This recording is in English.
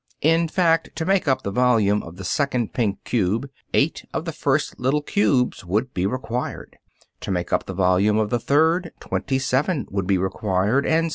In fact, to make up the volume of the second pink cube, eight of the first little cubes would be required; to make up the volume of the third, twenty seven would be required, and so on.